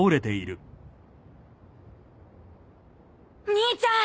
兄ちゃん！